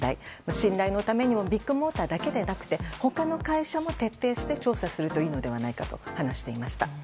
信頼のためにもビッグモーターだけでなくて他の会社も徹底して調査するといいのではないかと話していました。